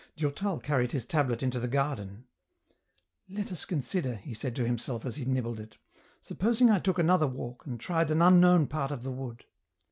Durtal carried his tablet into the garden. " Let us consider," he said to himself as he nibbled it ;" supposing I took another walk and tried an unknown part of the wood